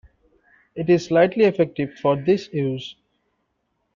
It is slightly effective for this use.